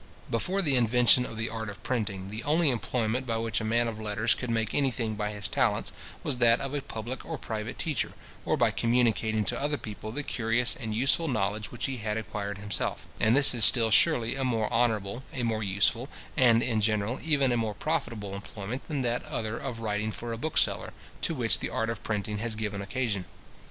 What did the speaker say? Before the invention of the art of printing, the only employment by which a man of letters could make any thing by his talents, was that of a public or private teacher, or by communicating to other people the curious and useful knowledge which he had acquired himself; and this is still surely a more honourable, a more useful, and, in general, even a more profitable employment than that other of writing for a bookseller, to which the art of printing has given occasion.